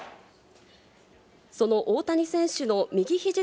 その大谷選手の右ひじ